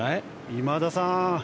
今田さん